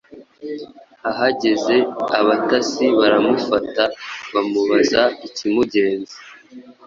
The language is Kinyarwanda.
Ahageze abatasi baramufata bamubaza ikimugenza.